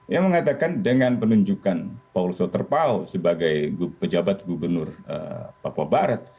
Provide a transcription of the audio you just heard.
yang mengatakan dengan penunjukan pak paulus waterman sebagai pejabat gubernur papua barat